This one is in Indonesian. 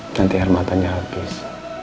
nanti hormatannya habis